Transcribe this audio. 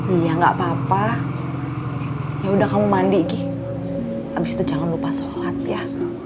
iya nggak apa apa yaudah kamu mandi abis itu jangan lupa sholat ya